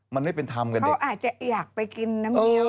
มันไม่เป็นทำกันเด็กเขาอาจจะอยากไปกินน้ำเยียว